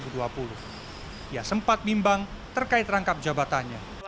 dia sempat bimbang terkait rangkap jabatannya